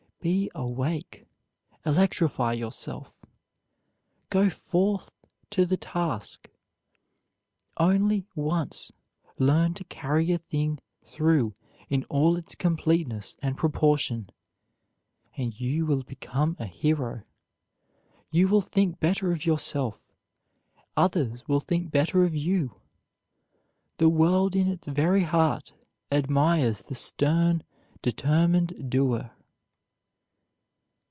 Be awake, electrify yourself; go forth to the task. Only once learn to carry a thing through in all its completeness and proportion, and you will become a hero. You will think better of yourself; others will think better of you. The world in its very heart admires the stern, determined doer.